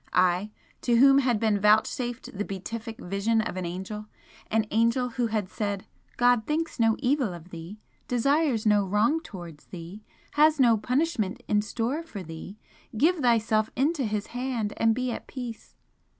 I, to whom had been vouchsafed the beatific vision of an Angel an Angel who had said "God thinks no evil of thee desires no wrong towards thee has no punishment in store for thee give thyself into His Hand, and be at peace!"